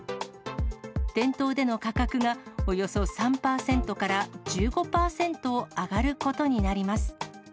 店頭での価格がおよそ３％から１５％上がることになります。